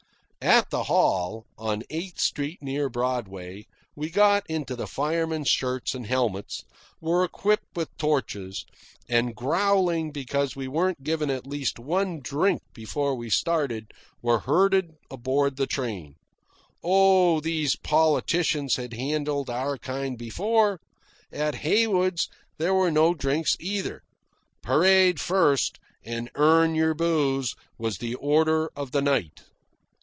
At the hall, on Eighth Street near Broadway, we got into the firemen's shirts and helmets, were equipped with torches, and, growling because we weren't given at least one drink before we started, were herded aboard the train. Oh, those politicians had handled our kind before. At Haywards there were no drinks either. Parade first, and earn your booze, was the order of the night.